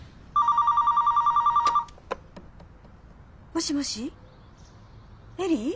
☎もしもし恵里？